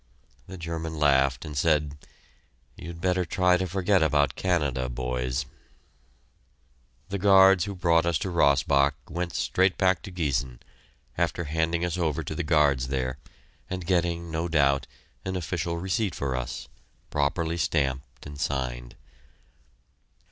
The German laughed and said, "You'd better try to forget about Canada, boys." The guards who brought us to Rossbach went straight back to Giessen, after handing us over to the guards there, and getting, no doubt, an official receipt for us, properly stamped and signed.